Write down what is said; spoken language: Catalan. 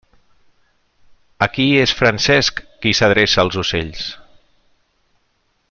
Aquí és Francesc qui s'adreça als ocells.